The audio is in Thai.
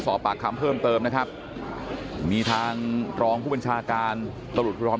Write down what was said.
สอบปากคำเพิ่มเติมนะครับมีทางรองผู้บัญชาการตำรวจ